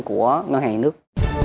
của ngân hàng nhà nước